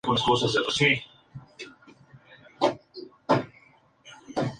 Permite aliviar el tráfico hacia la turística Colonia Tovar.